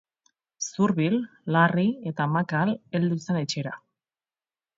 Zurbil, larri eta makal heldu zen etxera.